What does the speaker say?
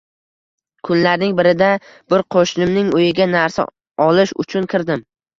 Kunlarning birida bir qo‘shnimning uyiga narsa olish uchun kirdim